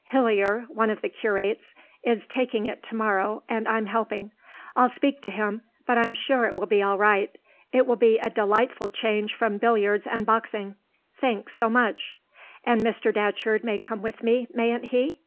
"Hillier one of the curates is taking it to morrow, and I'm helping. I'll speak to him, but I'm sure it will be all right. It will be a delightful change from billiards and boxing. Thanks so much." "And Mr. Datcherd may come with me, mayn't he?